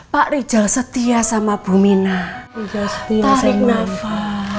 pak rachel setia sama bumina